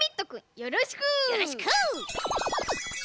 よろしく！